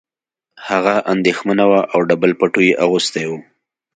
هغه اندېښمنه وه او ډبل پټو یې اغوستی و